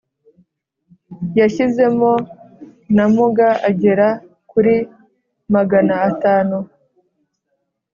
yashyizemo n’amuga agera kuri magana atanu